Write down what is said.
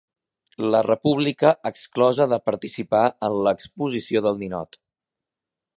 La República exclosa de participar en l'Exposició del Ninot